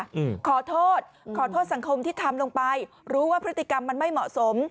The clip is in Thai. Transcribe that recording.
อืมขอโทษขอโทษสังคมที่ทำลงไปรู้ว่าพฤติกรรมมันไม่เหมาะสม